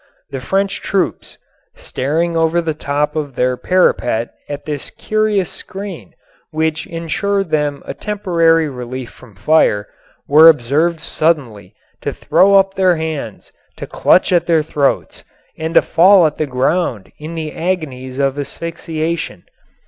The French troops, staring over the top of their parapet at this curious screen which ensured them a temporary relief from fire, were observed suddenly to throw up their hands, to clutch at their throats, and to fall to the ground in the agonies of asphyxiation.